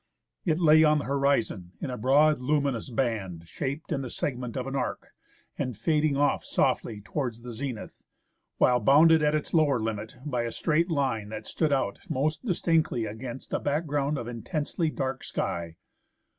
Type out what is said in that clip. It lay on the horizon in a broad luminous band, shaped in the segment of an arc, and fading off softly towards the zenith, while bounded at its lower limit by a straight line that stood out most distinctly against a background of intensely dark sky.